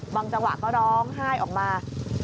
จังหวะก็ร้องไห้ออกมา